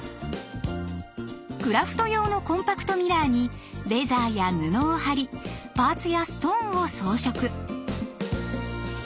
クラフト用のコンパクトミラーにレザーや布をはりパーツやストーンを装飾。